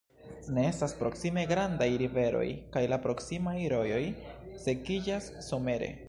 Ne estas proksime grandaj riveroj kaj la proksimaj rojoj sekiĝas somere.